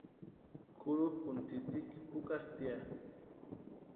Kʼurhukʼuni tsïtsïki jukatʼia.